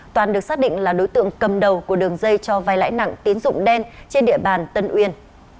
toàn được xác định là đối tượng cầm đầu của đường dây cho vai lãi nặng tiến dụng đen trên địa bàn tân uyên